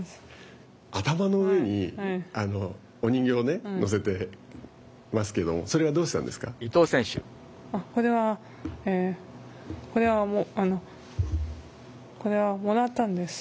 頭の上にお人形を乗せていますけどそれはどうしたんですか。